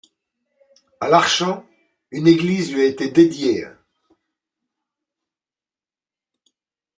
À Larchant, une église lui a été dédiée.